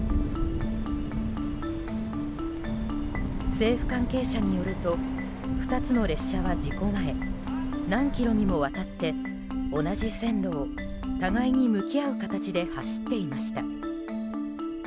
政府関係者によると２つの列車は事故前何キロにもわたって同じ線路を互いに向き合う形で走っていました。